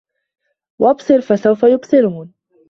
وَأَبصِر فَسَوفَ يُبصِرونَ